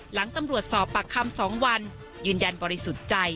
หลังตำรวจสอบปากคำ๒วันยืนยันบริสุทธิ์ใจ